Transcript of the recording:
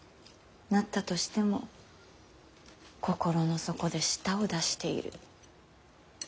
なったとしても心の底で舌を出している。